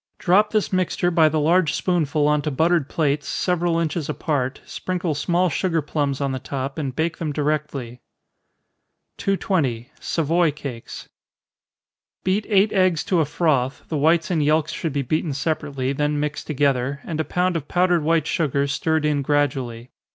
Drop this mixture by the large spoonful on to buttered plates, several inches apart, sprinkle small sugar plums on the top, and bake them directly. 220. Savoy Cakes. Beat eight eggs to a froth the whites and yelks should be beaten separately, then mixed together, and a pound of powdered white sugar stirred in gradually.